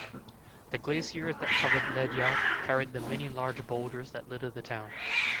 The glaciers that covered Ledyard carried the many large boulders that litter the town.